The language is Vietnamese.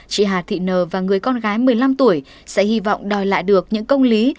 chị hà thị nờ và người con gái một mươi năm tuổi sẽ hy vọng đòi lại được những công lý